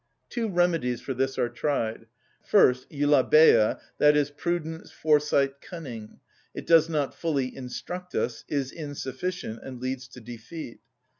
(42) Two remedies for this are tried: first, ευλαβεια, i.e., prudence, foresight, cunning; it does not fully instruct us, is insufficient, and leads to defeat.